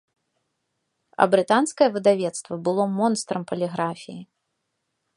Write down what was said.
А брытанскае выдавецтва было монстрам паліграфіі.